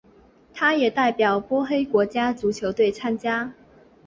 他也代表波黑国家足球队参赛。